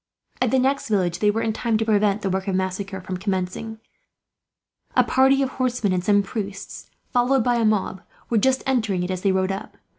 At the next village they were in time to prevent the work of massacre from commencing. A party of horsemen and some priests, followed by a mob, were just entering it as they rode up.